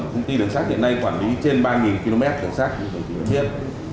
công ty đường sắt hiện nay quản lý trên ba km đường sắt